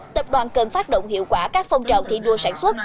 tập đoàn cần phát động hiệu quả các phong trào thi đua sản xuất